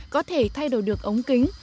có thể thay đổi được ống kính